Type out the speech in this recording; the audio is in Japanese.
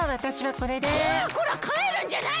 こらこらかえるんじゃない！